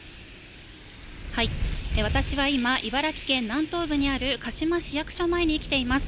私は今、茨城県南東部にある鹿嶋市役所前に来ています。